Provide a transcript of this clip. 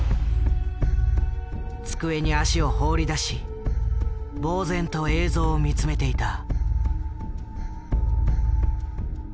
机に足を放り出しぼう然と映像を見つめていた。